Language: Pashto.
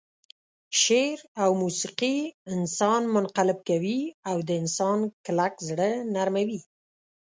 شعر او موسيقي انسان منقلب کوي او د انسان کلک زړه نرموي.